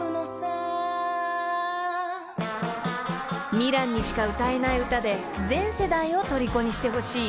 ［みらんにしか歌えない歌で全世代をとりこにしてほしい］